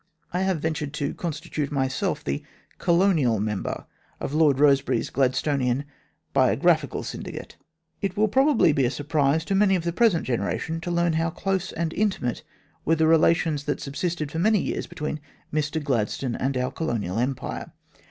I have ventured to constitute myself the Colonial member of Lord Eosebery's Gladstonian biographical syndicate. It will probably be a surprise to many of the present generation to learn how close and intimate were the relations that subsisted for many years between Mr Gladstone and our Colonial Empire.